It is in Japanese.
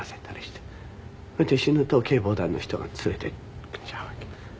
それで死ぬと警防団の人が連れていっちゃうわけ。